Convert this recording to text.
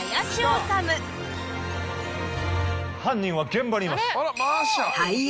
犯人は現場にいます。